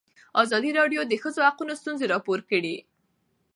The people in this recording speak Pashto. ازادي راډیو د د ښځو حقونه ستونزې راپور کړي.